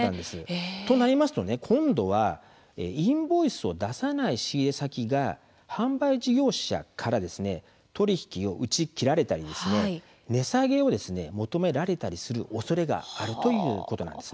となると今度はインボイスを出さない仕入れ先が販売事業者から取り引きを打ち切られたり値下げを求められたりするおそれがあるわけなんです。